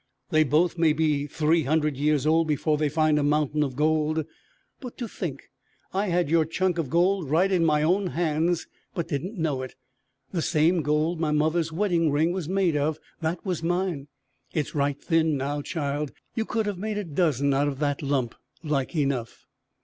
They both may be three hundred years old before they find a mountain of gold. But to think I had your chunk of gold right in my own hands, but didn't know it! The same gold my mother's wedding ring was made of, that was mine. It's right thin now, child. You could of made a dozen out of that lump, like enough."